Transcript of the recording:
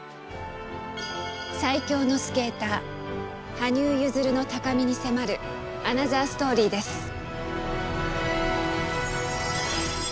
最強のスケーター羽生結弦の高みに迫るアナザーストーリーです。